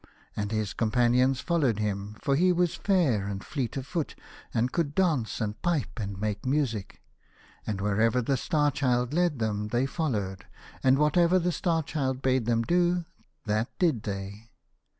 And his companions followed him, for he was fair, and fleet of foot, and could dance, and pipe, and make music. And wherever the Star Child led them they followed, and whatever the Star Child bade them do, that did they.